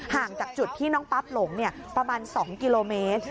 ห่างจากจุดที่น้องปั๊บหลงประมาณ๒กิโลเมตร